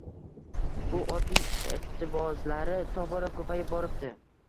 Bu otning ishqibozlari tobora ko‘payib boribdi